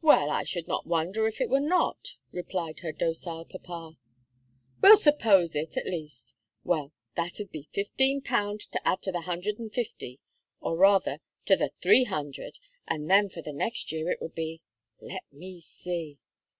"Well, I should not wonder if it would not," replied her docile papa. "We'll suppose it, at least; well that'd be fifteen pound to add to the hundred and fifty, or, rather, to the three hundred, and then for the next year it would be let me see!